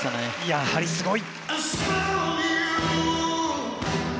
やはりすごい！